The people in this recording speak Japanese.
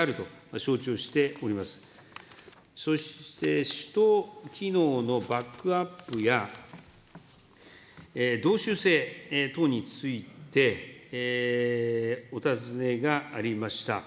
そして首都機能のバックアップや、道州制等について、お尋ねがありました。